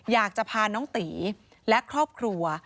อยากจะพาน้องตีและครอบครัว